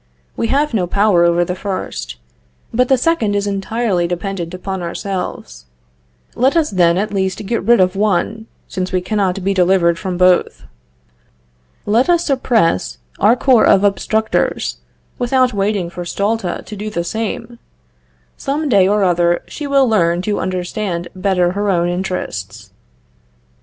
We have no power over the first, but the second is entirely dependent upon ourselves. Let us then at least get rid of one, since we cannot be delivered from both. Let us suppress our corps of Obstructors, without waiting for Stulta to do the same. Some day or other she will learn to understand better her own interests."